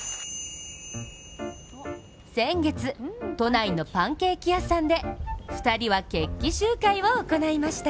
先月、都内のパンケーキ屋さんで２人は決起集会を行いました。